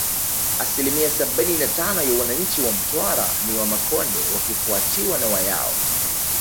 Asilimia sabini na tano ya wananchi wa Mtwara ni Wamakonde wakifuatiwa na Wayao